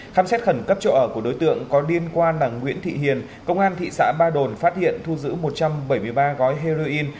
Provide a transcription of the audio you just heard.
khám xét khẩn cấp chỗ ở của đối tượng có liên quan là nguyễn thị hiền công an thị xã ba đồn phát hiện thu giữ một trăm bảy mươi ba gói heroin